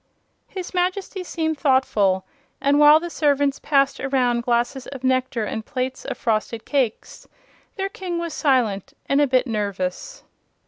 His Majesty seemed thoughtful, and while the servants passed around glasses of nectar and plates of frosted cakes their King was silent and a bit nervous.